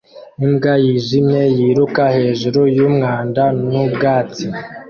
Imbwa yijimye yiruka hejuru yumwanda nubwatsi